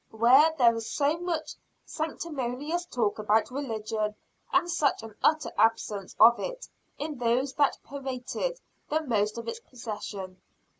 Where there was so much sanctimonious talk about religion, and such an utter absence of it in those that prated the most of its possession.